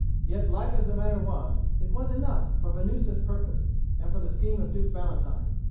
Yet light as the matter was, it was enough for Venusta's purpose and for the scheme of Duke Valentine.